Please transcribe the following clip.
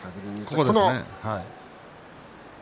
ここですね。